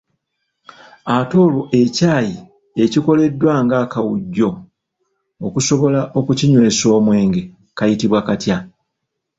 Ate olwo ekyayi ekikoleddwa ng'akawujjo okusobola okukinywesa omwenge kayitibwa katya?